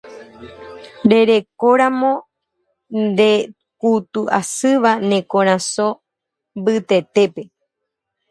Rerekóramo ndekutu'asýva ne korasõ mbytetépe.